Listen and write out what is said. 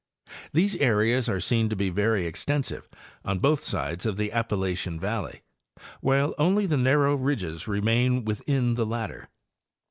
These areas are seen to be very extensive on both sides of the Appa lachian valley, while only the narrow ridges remain within the latter.